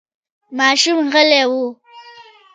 ماشوم غلی و.